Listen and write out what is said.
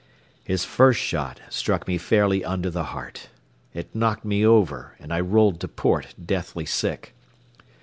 His first shot struck me fairly under the heart. It knocked me over, and I rolled to port, deathly sick.